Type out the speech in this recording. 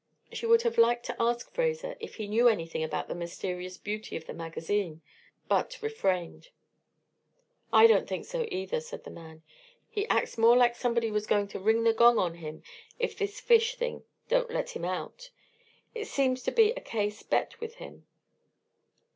She would have liked to ask Fraser if he knew anything about the mysterious beauty of the magazine, but refrained. "I don't think so, either," said the man. "He acts more like somebody was going to ring the gong on him if this fish thing don't let him out. It seems to be a case bet with him."